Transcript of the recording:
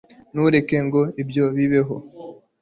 ntureke ngo ibyo bibeho